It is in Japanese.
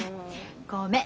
ごめん。